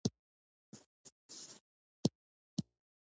له کوم خنډ او ستونزې پرته واک ته دوام ورکړي.